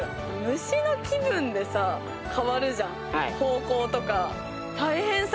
虫の気分でさ変わるじゃん方向とか。